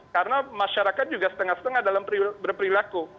karena masyarakat juga setengah setengah dalam berperilaku